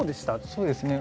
そうですね